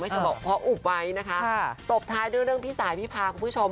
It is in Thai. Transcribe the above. เธอบอกเพราะอุบไว้นะคะตบท้ายด้วยเรื่องพี่สายพี่พาคุณผู้ชม